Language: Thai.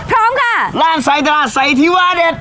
พร้อมค่ะร้านไซดาไซที่วาเด็ด